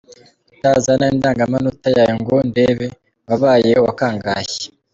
utazana indangamanota yawe ngo ndebe? Wabaye uwa kangahe?.